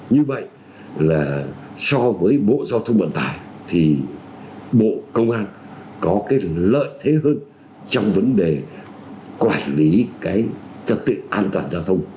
như vậy là so với bộ giao thông vận tải thì bộ công an có cái lợi thế hơn trong vấn đề quản lý cái trật tự an toàn giao thông